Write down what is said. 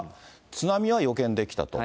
津波は予見できたと。